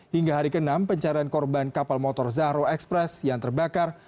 hingga hari ke enam pencarian korban kapal motor zahro express yang terbakar